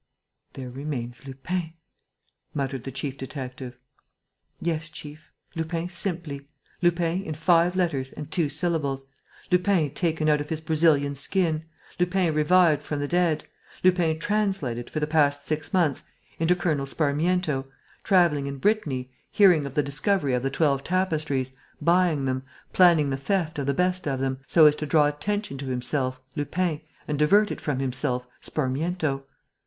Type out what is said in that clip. "There remains Lupin," muttered the chief detective. "Yes, chief, Lupin simply, Lupin in five letters and two syllables, Lupin taken out of his Brazilian skin, Lupin revived from the dead, Lupin translated, for the past six months, into Colonel Sparmiento, travelling in Brittany, hearing of the discovery of the twelve tapestries, buying them, planning the theft of the best of them, so as to draw attention to himself, Lupin, and divert it from himself, Sparmiento.